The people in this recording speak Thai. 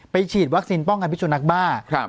ฉีดวัคซีนป้องกันพิสุนักบ้า